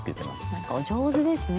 何かお上手ですね